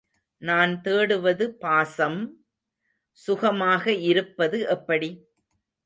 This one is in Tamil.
நான் தேடுவது பாசம்... சுகமாக இருப்பது எப்படி?